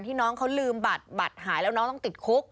มีน้องบัดหายแล้วต้องติดคุก